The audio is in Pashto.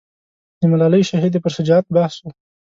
د ملالۍ شهیدې پر شجاعت بحث و.